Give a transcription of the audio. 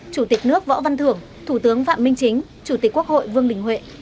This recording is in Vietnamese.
chủ tịch nước võ văn thưởng thủ tướng phạm minh chính chủ tịch quốc hội vương đình huệ